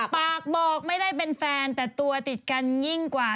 ปากบอกไม่ได้เป็นแฟนแต่ตัวติดกันยิ่งกว่า